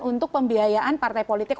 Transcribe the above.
untuk pembiayaan partai politik